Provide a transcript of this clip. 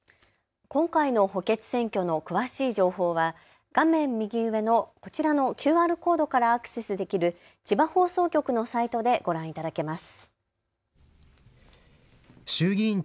今回の補欠選挙の詳しい情報は画面右上のこちらのＱＲコードからアクセスできる千葉放送局のサイトでご覧いただけます。